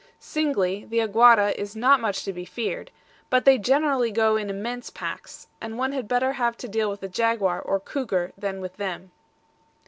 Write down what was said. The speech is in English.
Singly, the AGUARA is not much to be feared; but they generally go in immense packs, and one had better have to deal with a jaguar or cougar than with them.